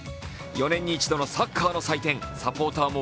４年に一度のサッカーの祭典サポーターも